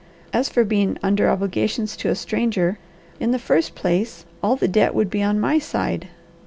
As for being under obligations to a stranger, in the first place all the debt would be on my side.